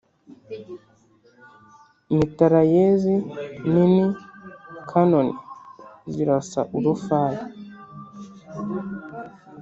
mitarayezi nini kanoni zirasa urufaya